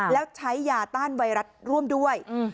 แล้วใช้ยาต้านไวรัสร่วมด้วย